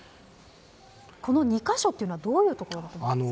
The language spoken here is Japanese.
この２カ所は、どういうところなんですか。